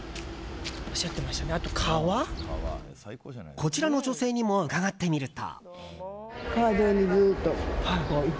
こちらの女性にも伺ってみると。